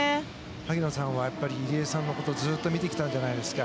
萩野さんはやっぱり入江さんのことをずっと見てきたじゃないですか。